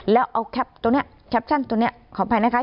แล้วเอาแคปตัวนี้แคปชั่นตัวนี้ขออภัยนะคะ